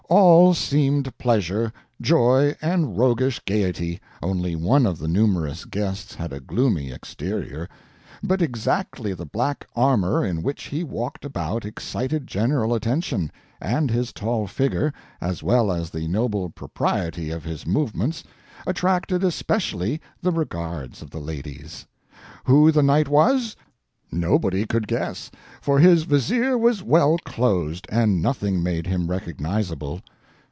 All seemed pleasure, joy, and roguish gaiety, only one of the numerous guests had a gloomy exterior; but exactly the black armor in which he walked about excited general attention, and his tall figure, as well as the noble propriety of his movements, attracted especially the regards of the ladies. Who the Knight was? Nobody could guess, for his Vizier was well closed, and nothing made him recognizable.